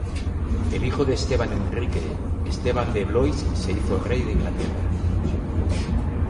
El hijo de Esteban Enrique, Esteban de Blois se hizo Rey de Inglaterra.